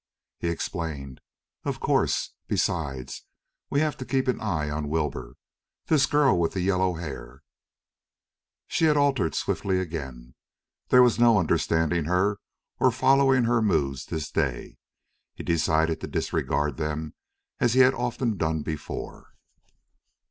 He explained: "Of course. Besides, we have to keep an eye on Wilbur. This girl with the yellow hair " She had altered swiftly again. There was no understanding her or following her moods this day. He decided to disregard them, as he had often done before.